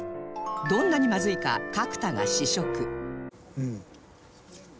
どんなにまずいか角田が試食